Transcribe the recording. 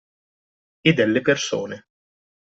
E delle persone